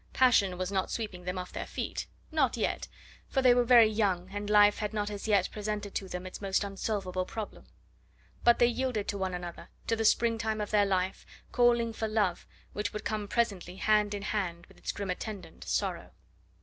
Passion was not sweeping them off their feet not yet, for they were very young, and life had not as yet presented to them its most unsolvable problem. But they yielded to one another, to the springtime of their life, calling for Love, which would come presently hand in hand with his grim attendant, Sorrow.